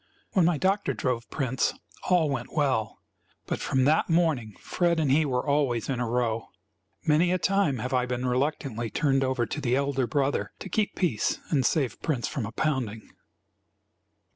When my doctor drove Prince, all went well; but from that morning Fred and he were always in a row. Many a time have I been reluctantly turned over to the elder brother to keep peace and save Prince from a pounding.